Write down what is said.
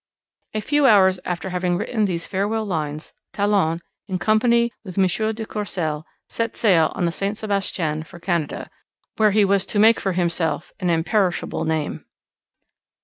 A few hours after having written these farewell lines, Talon, in company with M. de Courcelle, set sail on the Saint Sebastien for Canada, where he was to make for himself an imperishable name.